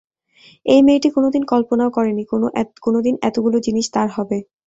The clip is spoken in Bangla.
এই মেয়েটি কোনোদিন কল্পনাও করে নি, কোনোদিন এতগুলো জিনিস তার হবে।